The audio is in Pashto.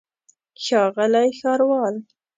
ښاغلی ښاروال.